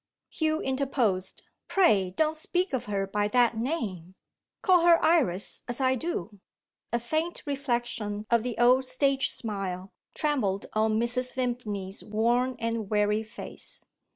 Hugh interposed: "Pray don't speak of her by that name! Call her 'Iris,' as I do." A faint reflection of the old stage smile trembled on Mrs. Vimpany's worn and weary face.